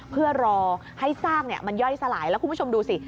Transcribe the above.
เพื่อรอให้ซากมันย่อยสลายแล้วคุณผู้ชมดูสิ